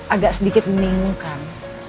agak sedikit meninggung kan